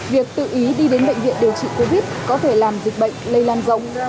việc tự ý đi đến bệnh viện điều trị covid có thể làm dịch bệnh lây lan rộng